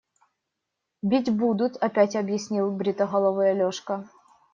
Бить будут, – опять объяснил бритоголовый Алешка.